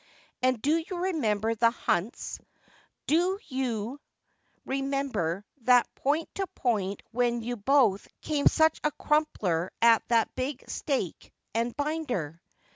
And do you remember the hunts ? Do you 164 WILL YOU TAKE OVER remember that point to point when you both came such a crumpler at that big stake and binder